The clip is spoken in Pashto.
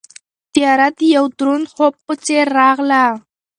تیاره د یوه دروند خوب په څېر راغله.